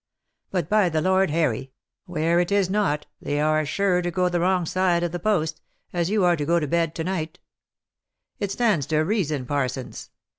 But, by the Lord Harry ! where it is not, they are as sure to go the wrong side of the post, as you are to go to bed to CD m OF MICHAEL ARMSTRONG. 139 night. It stands to reason, Parsons.